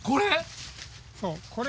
これ？